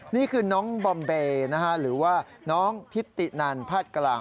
นี่คือน้องบอมเบย์หรือว่าน้องพิตตินันภาคกลาง